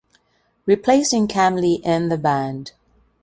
Replacing Kam Lee in the band.